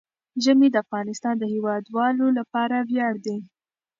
ژمی د افغانستان د هیوادوالو لپاره ویاړ دی.